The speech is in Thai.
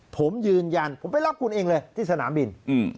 ผมยืนยันผมไปรับคุณเองเลยที่สนามบิน